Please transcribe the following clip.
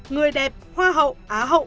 người đẹp hoa hậu á hậu